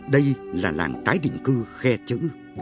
đây là làng tái định cư khe chữ